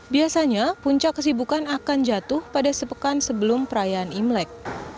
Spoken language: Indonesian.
biasanya puncak kesibukan akan jatuh pada sepekan sebelum perayaan imlek